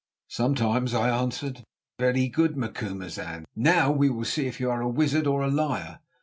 "Sometimes," I answered. "Very good, Macumazahn. Now we will see if you are a wizard or a liar.